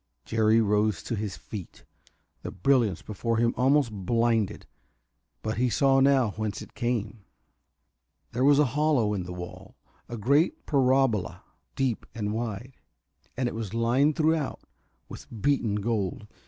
Jerry rose to his feet; the brilliance before him almost blinded, but he saw now whence it came. There was a hollow in the wall, a great parabola, deep and wide, and it was lined throughout with beaten gold.